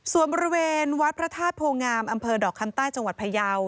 ส่วนบริเวณวัดพระธาตุโพงามอำเภอดอกคำใต้จังหวัดพยาว